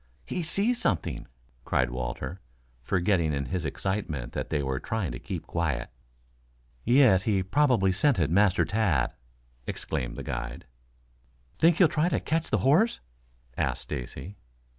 "He sees something," cried Walter, forgetting in his excitement that they were trying to keep quiet. "Yes, he has probably scented Master Tad," explained the guide. "Think he'll try to catch the horse?" asked Stacy.